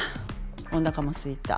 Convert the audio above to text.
おなかもすいた。